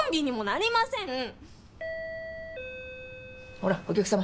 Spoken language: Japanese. ほらお客様。